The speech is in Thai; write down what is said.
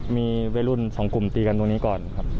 มีวัยรุ่นสองกลุ่มตีกันตรงนี้ก่อนครับ